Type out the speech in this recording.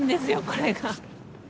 これが。